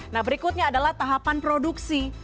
nah berikutnya adalah tahapan produksi